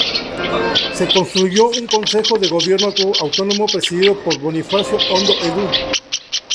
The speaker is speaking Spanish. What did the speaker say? Se constituyó un Consejo de Gobierno Autónomo presidido por Bonifacio Ondó Edu.